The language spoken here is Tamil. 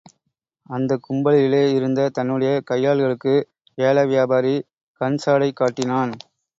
அந்தக் கும்பலிலே இருந்த தன்னுடைய கையாள்களுக்கு, ஏல வியாபாரி கண்சாடை காட்டினான்.